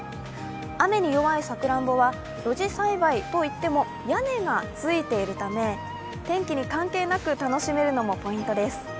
雨の弱いさくらんぼは露地栽培といっても、屋根がついているため天気に関係なく楽しめるのもポイントです。